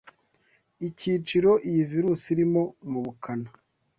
ikiciro iyi virus irimo mu bukana